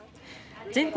全国